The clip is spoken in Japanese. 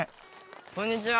こんにちは。